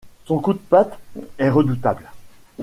Son coup de patte est redoutable.